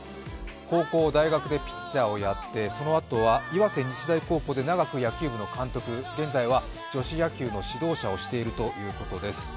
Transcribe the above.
高校、大学でピッチャーをやってそのあとは高校で監督をして現在は女子野球の指導者をしているということです。